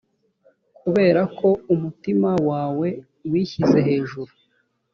kubera ko umutima wawe wishyize hejuru